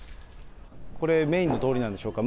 これ、メインの通りなんでしょうか。